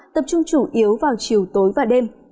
tập trung chủ yếu vào chiều tối và đêm